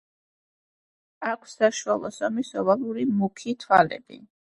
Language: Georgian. აქვს საშუალო ზომის, ოვალური, მუქი თვალები.